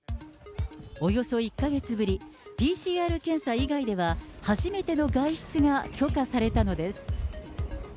およそ１か月ぶり、ＰＣＲ検査以外では、初めての外出が許可されたのです。